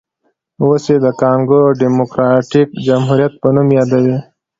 اوس یې د کانګو ډیموکراټیک جمهوریت په نوم یادوي.